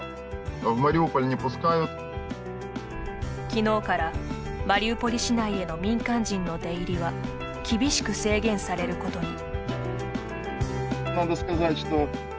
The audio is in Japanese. きのうからマリウポリ市内への民間人の出入りは厳しく制限されることに。